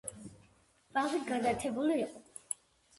ბაღი განათებული იყო.